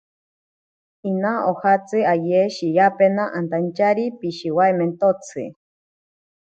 Ina ojatsi aye shiyapena antachari pishiwaimentotsi.